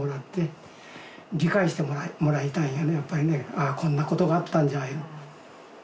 ああこんなことがあったんじゃという。